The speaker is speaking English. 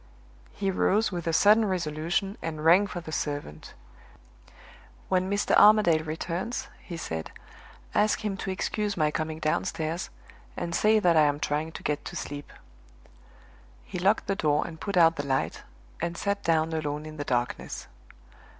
He rose with a sudden resolution, and rang for the servant, "When Mr. Armadale returns," he said, "ask him to excuse my coming downstairs, and say that I am trying to get to sleep." He locked the door and put out the light, and sat down alone in the darkness.